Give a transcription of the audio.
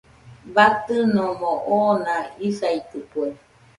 Batɨnomo oona isaitɨkue.